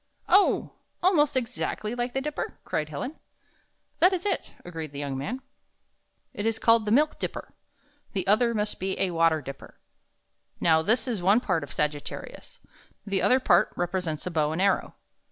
"Oh! almost exactly like the Dipper?" cried Helen. "That is it," agreed the young man. "It is called the Milk Dipper. The other must be a water dipper. Now, this is one part of Sag it ta ri us. The other part represents a bow and arrow.